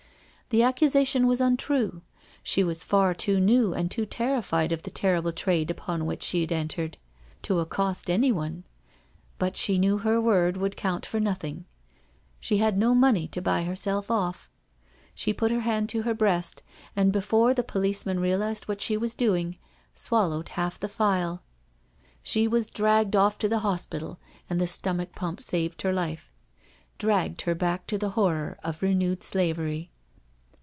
The accusation was untrue — she was far too new and too terrified of the terrible trade upon which she had entered to accost anyone, but she knew her word would count for no thing. She had no money to buy herself off. She put her hand to her breast, and before the policeman realised what she was doing, swallowed half the phial. She was dragged off to a hospital, and the stomach pump saved her life— dragged her back to the horror of renewed slavery.